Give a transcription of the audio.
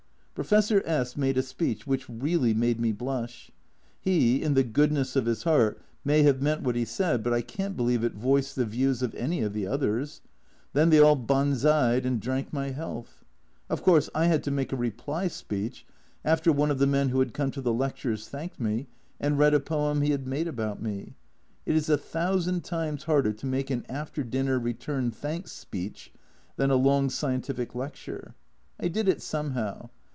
Professor S made a speech which really made me blush. He, in the goodness of his heart, may have meant what he said, but I can't believe it voiced the views of any of the others. Then they all banzaied, and drank my health. Of course, I had to make a reply speech after one of the men who had come to the lectures thanked me, and read a poem he had made about me it is a thousand times harder to make an " after dinner return thanks" speech than a long scientific lecture. I did it somehow.